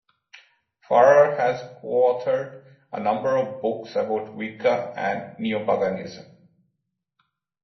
Farrar has co-authored a number of books about Wicca and Neopaganism.